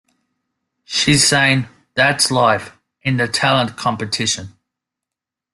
She sang "That's Life" in the talent competition.